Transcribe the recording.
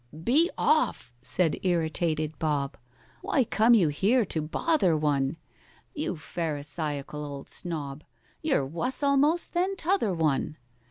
"Be off!" said irritated BOB. "Why come you here to bother one? You pharisaical old snob, You're wuss almost than t'other one!